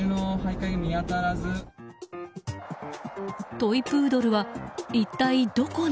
トイプードルは一体どこに？